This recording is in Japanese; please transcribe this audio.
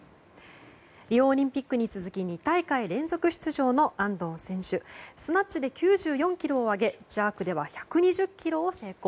リオオリンピックに続き２大会連続出場の安藤選手スナッチで９４ｋｇを上げジャークでは１２０ｋｇを成功。